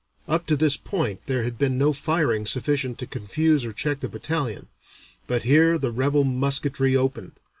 Up to this point there had been no firing sufficient to confuse or check the battalion, but here the rebel musketry opened.